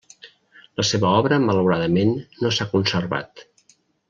La seva obra malauradament no s'ha conservat.